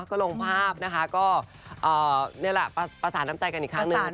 ก็ลงภาพนะคะก็นี่แหละประสานน้ำใจกันอีกครั้งหนึ่ง